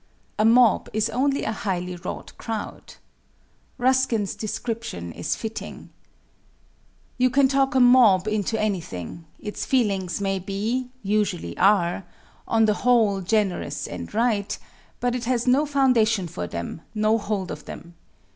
A mob is only a highly wrought crowd. Ruskin's description is fitting: "You can talk a mob into anything; its feelings may be usually are on the whole, generous and right, but it has no foundation for them, no hold of them.